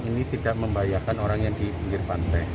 ini tidak membahayakan orang yang di pinggir pantai